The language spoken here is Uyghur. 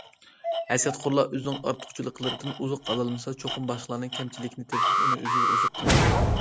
ھەسەتخورلار ئۆزىنىڭ ئارتۇقچىلىقلىرىدىن ئوزۇق ئالالمىسا، چوقۇم باشقىلارنىڭ كەمچىلىكىنى تېپىپ، ئۇنى ئۆزىگە ئوزۇق قىلىدۇ.